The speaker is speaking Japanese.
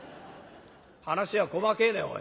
「話が細けえねおい」。